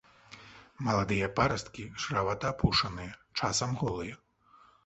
Маладыя парасткі шэравата-апушаныя, часам голыя.